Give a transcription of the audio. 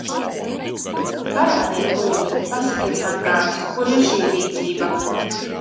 Parādiet, lūdzu, pasakiet man kāds, kur ir šī rīcība!